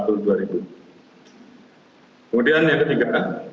kemudian yang ketiga